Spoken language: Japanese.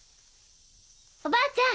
おばあちゃん